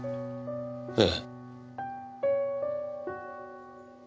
ええ。